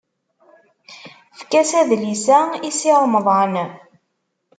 Efk-as adlis-a i Si Remḍan.